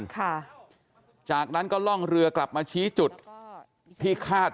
เปลี่ยนต้องฝ่ายได้ครับ